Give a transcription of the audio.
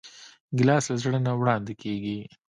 ګیلاس له زړه نه وړاندې کېږي.